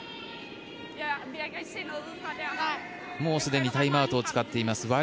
もうすでにタイムアウトを使っています。